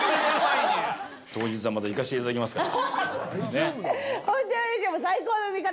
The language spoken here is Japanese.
当日は、また行かせていただきますから。